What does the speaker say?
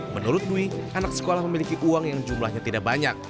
menurut dwi anak sekolah memiliki uang yang jumlahnya tidak banyak